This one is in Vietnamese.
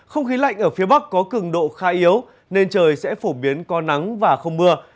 không khí lạnh ở phía bắc có cường độ khá yếu nên trời sẽ phổ biến có nắng và không mưa